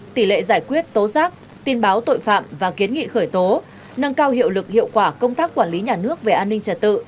tỷ lệ giải quyết tố giác tin báo tội phạm và kiến nghị khởi tố nâng cao hiệu lực hiệu quả công tác quản lý nhà nước về an ninh trật tự